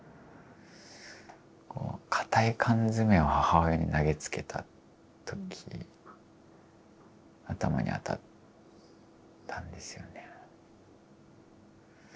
硬い缶詰を母親に投げつけた時頭に当たったんですよね。